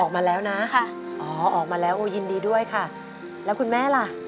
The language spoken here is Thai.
ออกมาแล้วนะค่ะอ๋อออกมาแล้วโอ้ยินดีด้วยค่ะแล้วคุณแม่ล่ะ